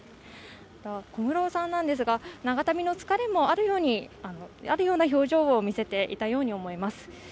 小室さんなんですが、長旅の疲れもあるような表情を見せていたように思います。